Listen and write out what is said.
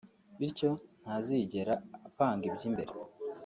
bityo ntazigera apanga iby’imbere